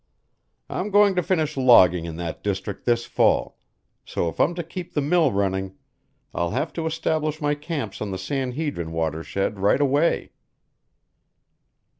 I'm going to finish logging in that district this fall, so if I'm to keep the mill running, I'll have to establish my camps on the San Hedrin watershed right away."